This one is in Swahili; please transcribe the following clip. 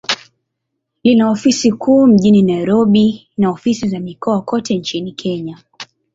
Lina ofisi kuu mjini Nairobi, na ofisi za mikoa kote nchini Kenya.